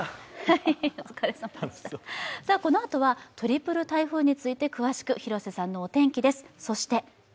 このあとはトリプル台風について詳しく広瀬さんのお天気です。